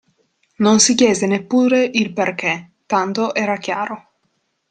Non si chiese neppure il perché, tanto era chiaro.